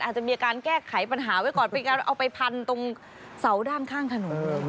อาจจะมีการแก้ไขปัญหาไว้ก่อนเป็นการเอาไปพันตรงเสาด้านข้างถนน